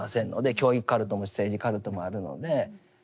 教育カルトも政治カルトもあるので。